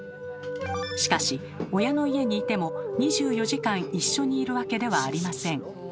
しかし親の家にいても２４時間一緒にいるわけではありません。